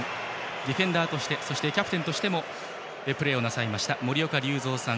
ディフェンダーとしてそしてキャプテンとしてもプレーなさいました森岡隆三さん